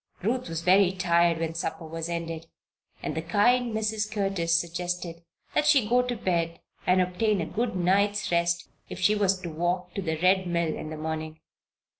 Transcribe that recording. Ruth was very tired when supper was ended and the kind Mrs. Curtis suggested that she go to bed and obtain a good night's rest if she was to walk to the Red Mill in the morning.